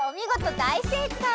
だいせいかい！